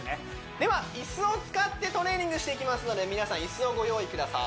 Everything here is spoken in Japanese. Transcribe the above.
では椅子を使ってトレーニングしていきますので皆さん椅子をご用意ください